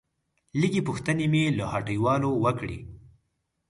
لږې پوښتنې مې له هټيوالو وکړې.